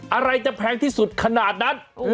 อะไรจะแพงที่สุดขนาดนั้น